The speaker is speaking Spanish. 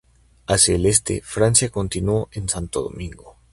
Hacia el este, Francia continuó en Santo Domingo.